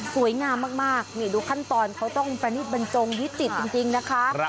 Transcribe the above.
สวยงามมากนี่ดูขั้นตอนเขาต้องประนิษฐบรรจงวิจิตจริงนะคะ